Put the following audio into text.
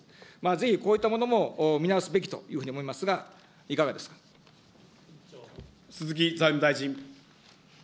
ぜひこういったものも見直すべきというふうに思いますが、いかが鈴木財務大臣。